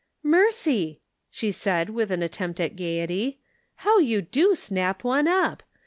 " Mercy !" she said, with an attempt at gaiety ;" how you do snap one up